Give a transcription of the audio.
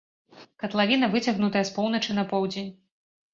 Катлавіна выцягнутая з поўначы на поўдзень.